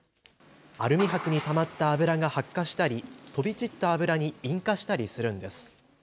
アルミはくにたまった脂が発火したり、飛び散った脂に引火したりするんです。